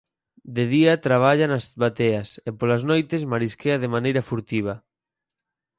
De día traballa nas bateas e polas noites marisquea de maneira furtiva.